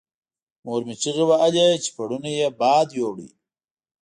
مور مې چیغې وهلې چې پوړونی یې باد یووړ.